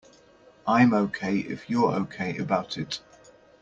I'm OK if you're OK about it.